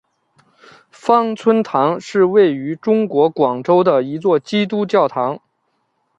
芳村堂是位于中国广州的一座基督教堂。